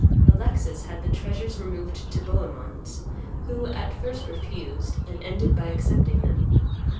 Alexis had the treasures removed to Bohemond's, who at first refused, and ended by accepting them.